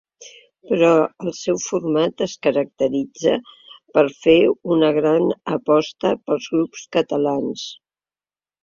Però el seu format es caracteritza per fer una gran aposta pels grups catalans.